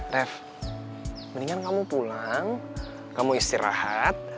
ref mendingan kamu pulang kamu istirahat